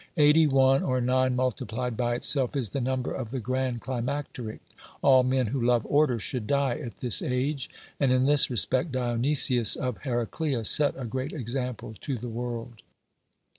Eighty one, or nine multiplied by itself, is the number of the grand climacteric ; all men who love order should die at this age, and in this respect Dionysius of Heraclea set a great example to the world.